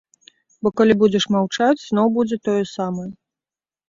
Бо калі будзеш маўчаць, зноў будзе тое самае.